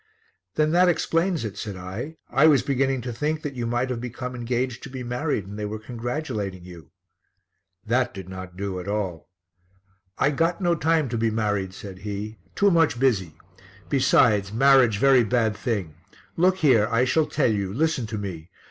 "Then that explains it," said I. "I was beginning to think that you might have become engaged to be married and they were congratulating you." That did not do at all. "I got no time to be married," said he, "too much busy. Besides, marriage very bad thing. Look here, I shall tell you, listen to me.